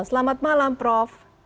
selamat malam prof